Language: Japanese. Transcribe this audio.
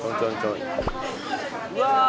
うわ！